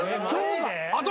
あと